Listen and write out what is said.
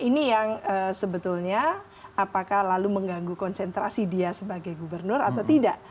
ini yang sebetulnya apakah lalu mengganggu konsentrasi dia sebagai gubernur atau tidak